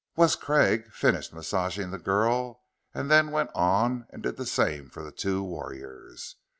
Wes Craig finished massaging the girl and then went on and did the same for the two warriors.